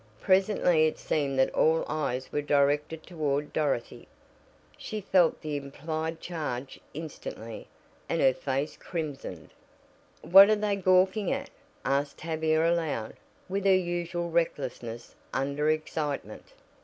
Presently it seemed that all eyes were directed toward Dorothy. She felt the implied charge instantly, and her face crimsoned. "What are they gawking at?" asked Tavia aloud, with her usual recklessness under excitement.